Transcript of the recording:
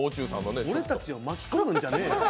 「俺たちを巻き込むんじゃねえよ」